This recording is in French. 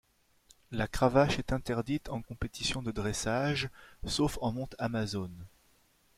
La cravache est interdite en compétition de dressage, sauf en monte amazone.